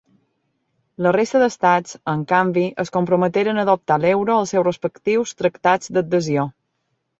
La resta d'estats, en canvi, es comprometeren a adoptar l'euro als seus respectius Tractats d'Adhesió.